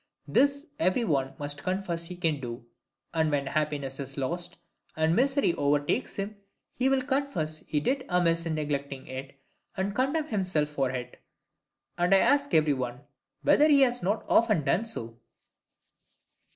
This every one must confess he can do; and when happiness is lost, and misery overtakes him, he will confess he did amiss in neglecting it, and condemn himself for it; and I ask every one, whether he has not often done so?